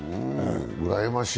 うらやましい。